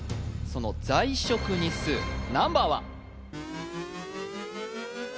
その在職日数ナンバーは？